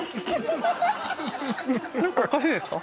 何かおかしいですか？